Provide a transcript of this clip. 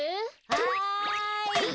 はい。